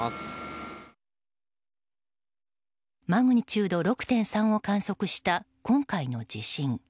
マグニチュード６．３を観測した今回の地震。